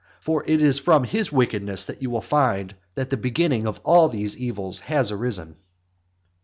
For it is from his wickedness that you will find that the beginning of all these evils has arisen.